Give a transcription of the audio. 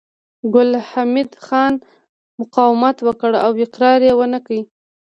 ګل حمید خان مقاومت وکړ او اقرار يې ونه کړ